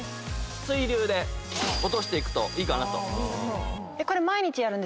水流で落としていくといいかなと。